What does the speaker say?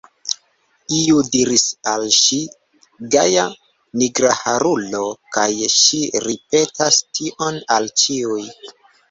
Iu diris al ŝi: gaja nigraharulo, kaj ŝi ripetas tion al ĉiuj.